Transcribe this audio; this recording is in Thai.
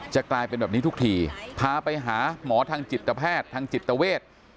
กลายเป็นแบบนี้ทุกทีพาไปหาหมอทางจิตแพทย์ทางจิตเวท